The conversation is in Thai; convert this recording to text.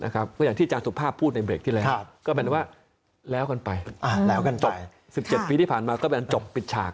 ก็อย่างที่จานสุภาพพูดในเบรกที่แรกก็เป็นว่าแล้วกันไปตก๑๗ปีที่ผ่านมาก็เป็นจบปิดฉาก